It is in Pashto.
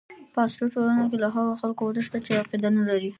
په عصري ټولنه کې له هغو خلکو وتښته چې عقیده نه لري.